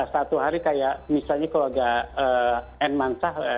satu hari kayak misalnya keluarga n mansyah